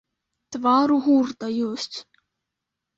Твар у гурта ёсць.